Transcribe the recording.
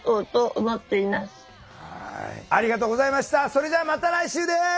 それではまた来週です。